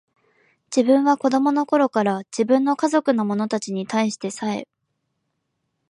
自分は子供の頃から、自分の家族の者たちに対してさえ、